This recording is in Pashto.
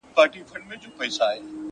څه عجيبه جوارگر دي اموخته کړم!!